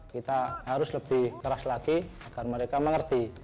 kita harus lebih keras lagi agar mereka mengerti